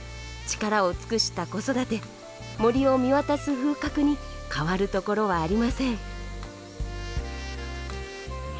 力を尽くした子育て森を見渡す風格に変わるところはありません。